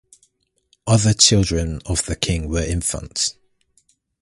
Other children of the king were infantes.